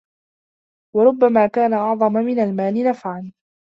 وَرُبَّمَا كَانَ أَعْظَمَ مِنْ الْمَالِ نَفْعًا